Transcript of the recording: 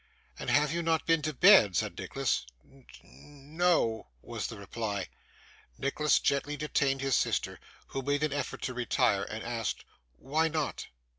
'And have you not been to bed?' said Nicholas. 'N n no,' was the reply. Nicholas gently detained his sister, who made an effort to retire; and asked, 'Why not?